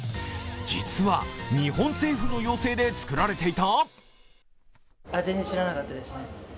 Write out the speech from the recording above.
実は日本政府の要請で作られていた？